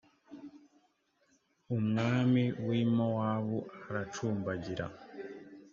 umwami wi mowabu aracumbagira.